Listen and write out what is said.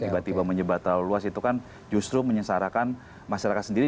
tiba tiba menyebar terlalu luas itu kan justru menyesarakan masyarakat sendiri